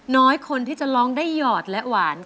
น้อยคนที่จะร้องได้หยอดและหวาน